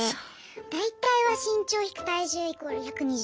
大体は身長引く体重イコール１２０。